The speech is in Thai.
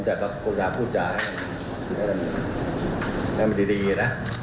แต่ปรากฎหาพูดจากให้มันดีนะ